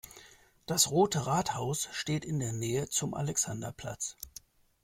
Das Rote Rathaus steht in der Nähe zum Alexanderplatz.